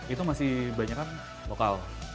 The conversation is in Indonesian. itu masih banyak kan lokal